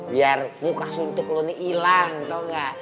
biar muka suntuk lo nih ilang tau gak